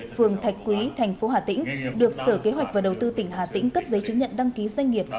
phường thạch quý thành phố hà tĩnh được sở kế hoạch và đầu tư tỉnh hà tĩnh cấp giấy chứng nhận đăng ký doanh nghiệp